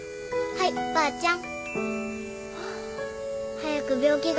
はいばあちゃん。